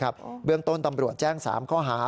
เบื้องต้นตำรวจแจ้ง๓ข้อหา